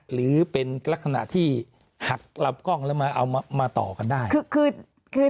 หรือเป็นลักษณะที่หักหลับกล้องแล้วมาเอามาต่อกันได้